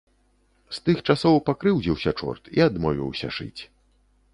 З тых часоў пакрыўдзіўся чорт і адмовіўся шыць.